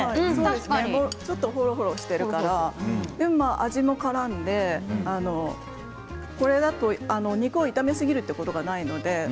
ちょっとほろほろしていますが、味もからんでこれだと肉を炒めすぎるということはないんですね